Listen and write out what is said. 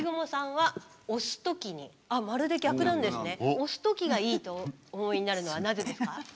押す時がいいとお思いになるのはなぜですか？